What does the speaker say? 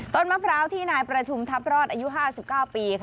ต้นมระเพราดที่นายประชุมทับรอดอายุ๕๙ปี